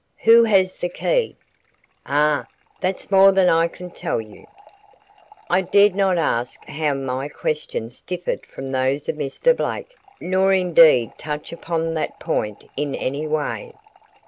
"Who has the key?" "Ah, that's more than I can tell you." I dared not ask how my questions differed from those of Mr. Blake, nor indeed touch upon that point in any way.